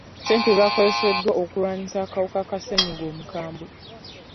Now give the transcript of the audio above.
Ssente zaakozesebwa okulwanyisa akawuka ka ssenyiga omukambwe.